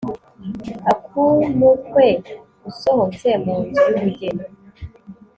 ak'umukwe usohotse mu nzu y'ubugeni